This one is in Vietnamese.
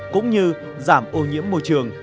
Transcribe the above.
cũng như giảm ô nhiễm môi trường